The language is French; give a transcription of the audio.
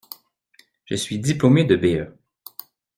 Je suis diplômé de B.E.